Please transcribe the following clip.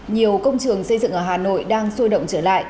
nhiều công trường xây dựng ở hà nội đang sôi động trở lại